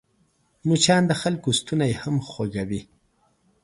مچان د خلکو ستونی هم خوږوي